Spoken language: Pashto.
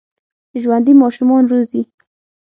ژوندي ماشومان روزي